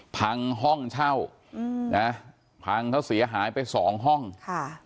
ผังห้องเท่าไงผังเธอเสียหายไปสองห้องค่ะ